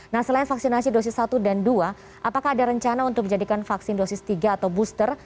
nah selain vaksinasi dosis satu dan dua apakah ada rencana untuk menjadikan vaksin dosis tiga atau booster